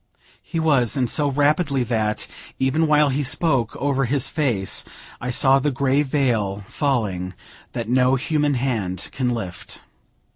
He was; and so rapidly that, even while he spoke, over his face I saw the grey veil falling that no human hand can lift.